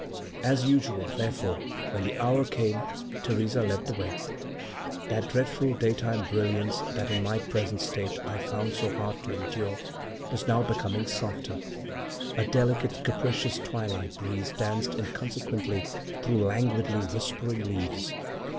As usual, therefore, when the hour came, Theresa led the way. That dreadful daytime brilliance that in my present state I found so hard to endure was now becoming softer. A delicate, capricious twilight breeze danced inconsequently through languidly whispering leaves.